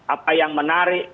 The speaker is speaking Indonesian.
apa yang menarik